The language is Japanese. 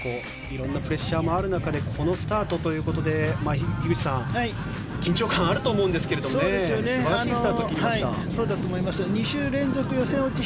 いろんなプレッシャーもある中でこのスタートということで樋口さん緊張感あると思うんですけれど素晴らしいスタートを切りました。